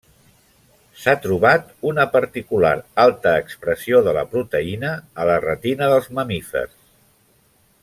S’ha trobat una particular alta expressió de la proteïna a la retina dels mamífers.